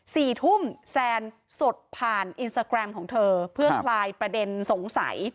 สี่ทุ่มแซนสดผ่านอินสตาแกรมของเธอเพื่อคลายประเด็นสงสัย